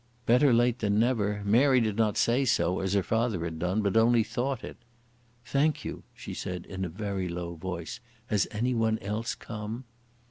Better late than never. Mary did not say so, as her father had done, but only thought it. "Thank you," she said, in a very low voice. "Has any one else come?"